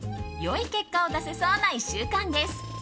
良い結果を出せそうな１週間です。